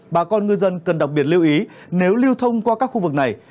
bà con ngư dân cần đặc biệt lưu ý nếu lưu thông qua các khu vực này